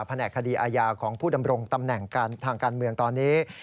แหนกคดีอาญาของผู้ดำรงตำแหน่งทางการเมืองตอนนี้